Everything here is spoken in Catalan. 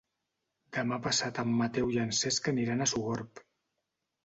Demà passat en Mateu i en Cesc aniran a Sogorb.